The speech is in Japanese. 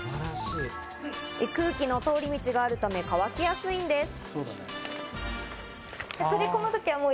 空気の通り道があるため、乾きやすいんです。